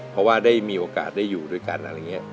เพราะว่าได้มีโอกาสได้อยู่ด้วยกันอะไรอย่างนี้